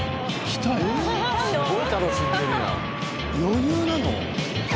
余裕なの！？